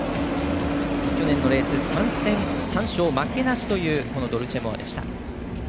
去年のレース、３戦３勝負けなしというドルチェモアでした。